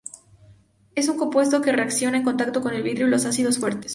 Es un compuesto que reacciona en contacto con el vidrio y los ácidos fuertes.